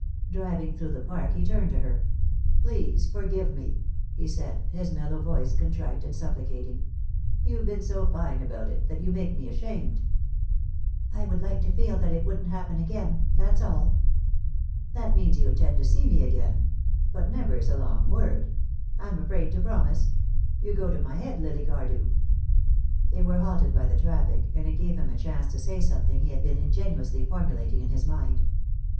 Driving through the park he turned to her: "Please forgive me," he said, his mellow voice contrite and supplicating. "You've been so fine about it that you make me ashamed." "I would like to feel that it wouldn't happen again: That's all." "That means you intend to see me again. But never is a long word. I'm afraid to promise. You go to my head, Lily Cardew." They were halted by the traffic, and it gave him a chance to say something he had been ingeniously formulating in his mind.